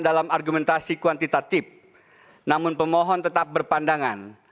dalam argumentasi kuantitatif namun pemohon tetap berpandangan